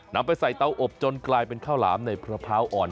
นำไปใส่เตาอบจนกลายเป็นข้าวหลามในพร้าวอ่อน